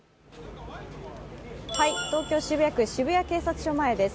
東京・渋谷区渋谷警察署の前です。